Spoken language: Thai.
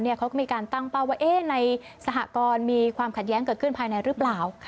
เขาก็มีการตั้งเป้าว่าในสหกรณ์มีความขัดแย้งเกิดขึ้นภายในหรือเปล่า